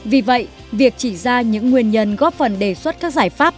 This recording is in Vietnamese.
vì vậy việc chỉ ra những nguyên nhân góp phần đề xuất các giải pháp